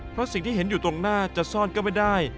เพราะสิ่งที่เห็นอยู่ตรงหน้าจะซ่อนก็ไม่ได้